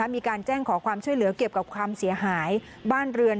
มีการแจ้งขอความช่วยเหลือเกี่ยวกับความเสียหายบ้านเรือน